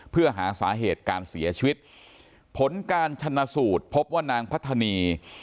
เพื่อหาสาเหตุการเสียชีวิตผลการชนะสูตรพบว่านางพัฒนี